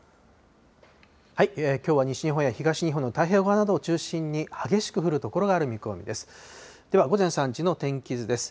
きょうは西日本や東日本の太平洋側などを中心に、激しく降る所がある見込みです。